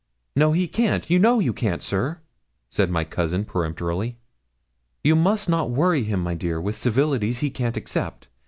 'No; he can't. You know you can't, sir,' said my cousin, peremptorily. 'You must not worry him, my dear, with civilities he can't accept.